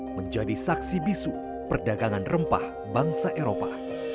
menjadi saksi bisu perdagangan rempah bangsa eropa